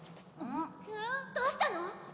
どうしたの？